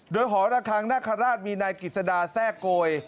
โดยหอระคังนาคาราชมีนายกิจสดาแทรกโกย